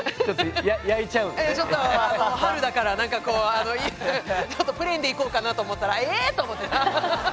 ちょっと春だからプレーンでいこうかなと思ったらええっ⁉と思って。